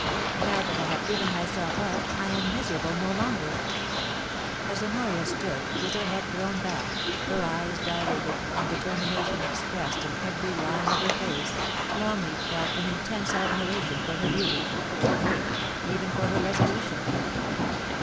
Now that I have given myself up I am miserable no longer/ As Honoria stood, with her head thrown back, her eyes dilated, and determination expressed in every line of her fiace, Longleat felt an intense admiration for her beaut}^ — nay, even for her resolution.